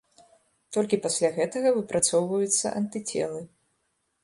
Толькі пасля гэтага выпрацоўваюцца антыцелы.